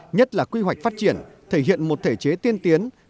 nhất là quy hoạch phát triển thể hiện một thể chế tiên tiến